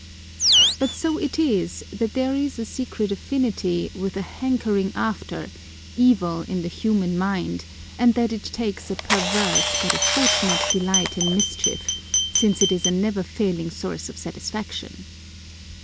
But so it is, that there is a secret affinity [with,] a hankering after, evil in the human mind, and that it takes a perverse, but a fortunate delight in mischief, since it is a never failing source of satisfaction.